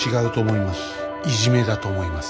いじめだと思います。